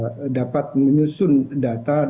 dan kita berharap dapat menyusun data dan rencana tim ini